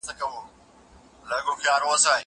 زه اوږده وخت پوښتنه کوم.